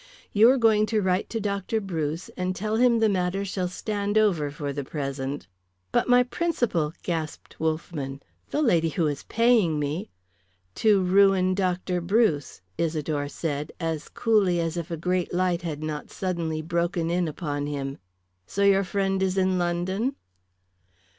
You are going to write to Dr. Bruce, and tell him the matter shall stand over for the present " "But my principal!" gasped Wolffman. "The lady who is paying me " "To ruin Dr. Bruce," Isidore said, as coolly as if a great light had not suddenly broken in upon him. "So your friend is in London?"